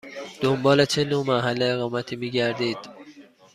دنبال چه نوع محل اقامتی می گردید؟